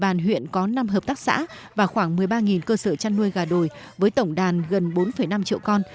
bàn huyện có năm hợp tác xã và khoảng một mươi ba cơ sở chăn nuôi gà đồi với tổng đàn gần bốn năm triệu con